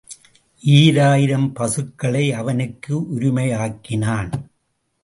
ஈராயிரம் பசுக்களை அவனுக்கு உரிமையாக்கினான்.